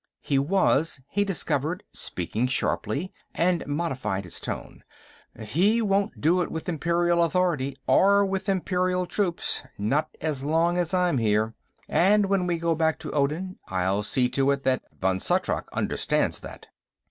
He was, he discovered, speaking sharply, and modified his tone. "He won't do it with Imperial authority, or with Imperial troops. Not as long as I'm here. And when we go back to Odin, I'll see to it that Vann Shatrak understands that."